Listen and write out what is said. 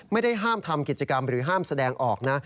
ไม่ได้ห้ามทำกิจกรรมหรือห้ามแสดงออกนะ